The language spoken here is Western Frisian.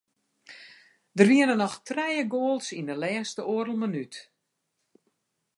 Der wiene noch trije goals yn de lêste oardel minút.